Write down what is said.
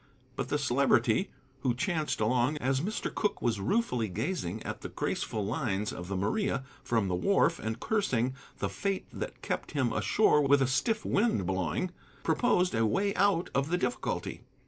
But the Celebrity, who chanced along as Mr. Cooke was ruefully gazing at the graceful lines of the Maria from the wharf and cursing the fate that kept him ashore with a stiff wind blowing, proposed a way out of the difficulty.